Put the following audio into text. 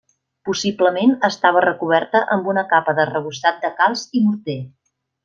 Possiblement estava recoberta amb una capa d'arrebossat de calç i morter.